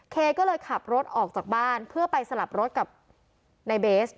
เคก็เลยขับรถออกจากบ้านเพื่อไปสลับรถกับในเบส